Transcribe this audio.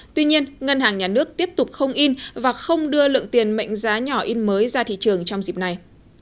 tuy nhiên ngân hàng nhà nước tiếp tục không in và không đưa lượng tiền mệnh giá nhỏ in mới ra thị trường trong dịp này